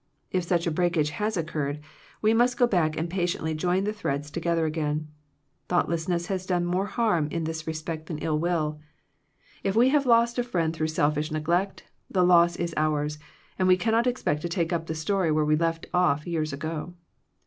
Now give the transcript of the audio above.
If such a break age has occurred, we must go back and patiently join the threads together again. Thoughtlessness has done more harm in this respect than ill will. If we have lost 150 Digitized by VjOOQIC THE WRECK OF FRIENDSHIP a friend through selfish neglect, the loss is ours, and we cannot expect to take up the story where we left off years ago.